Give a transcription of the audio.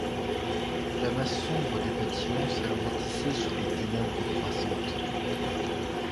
La masse sombre des bâtiments s’alourdissait sous les ténèbres croissantes.